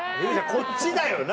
こっちだよ。